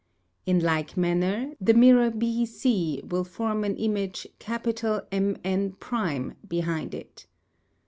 In like manner, the mirror B C will form an image M'N' behind it.